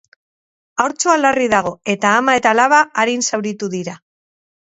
Haurtxoa larri dago, eta ama eta alaba arin zauritu dira.